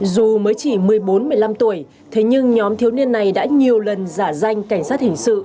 dù mới chỉ một mươi bốn một mươi năm tuổi thế nhưng nhóm thiếu niên này đã nhiều lần giả danh cảnh sát hình sự